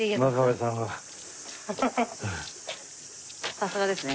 さすがですね。